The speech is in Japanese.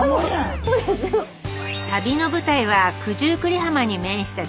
旅の舞台は九十九里浜に面した